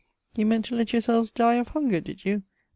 You meant to let yourselves die of hunger, did you